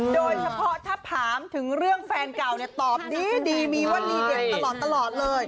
โดยเฉพาะถ้าถามถึงเรื่องแฟนเก่าเนี่ยตอบดีมีว่าดีเด่นตลอดเลย